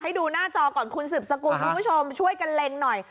ให้ดูหน้าจอก่อนคุณสืบสกุลคุณผู้ชมช่วยกันเล็งหน่อย